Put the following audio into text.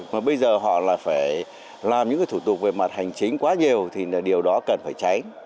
mà bây giờ họ là phải làm những cái thủ tục về mặt hành chính quá nhiều thì là điều đó cần phải cháy